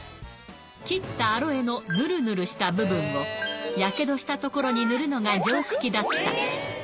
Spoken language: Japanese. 切ったアロエのヌルヌルした部分を火傷した所に塗るのが常識だった。